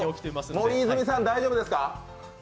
森泉さん、大丈夫ですか？